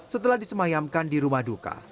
setelah disemayamkan di rumah duka